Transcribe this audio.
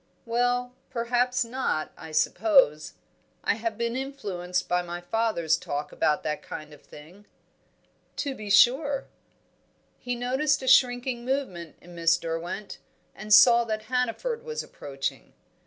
"Well, perhaps not. I suppose I have been influenced by my father's talk about that kind of thing." "To be sure." He noticed a shrinking movement in Miss Derwent and saw that Hannaford was approaching.